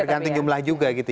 tergantung jumlah juga gitu